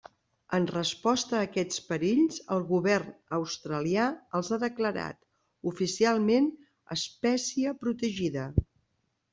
En resposta a aquests perills, el govern australià els ha declarat oficialment espècie protegida.